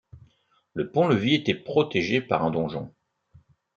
Le pont-levis était protégé par un donjon.